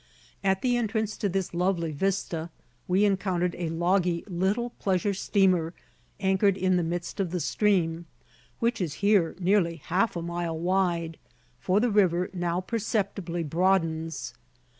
At the entrance to this lovely vista we encountered a logy little pleasure steamer anchored in the midst of the stream, which is here nearly half of a mile wide, for the river now perceptibly broadens.